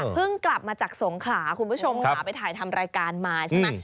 กลับมาจากสงขลาคุณผู้ชมค่ะไปถ่ายทำรายการมาใช่ไหม